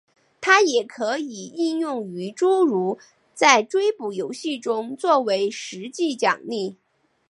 它也可以应用于诸如在追捕游戏中做为实际奖励。